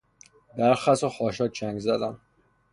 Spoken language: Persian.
به هر خس و خاشاک چنگ زدن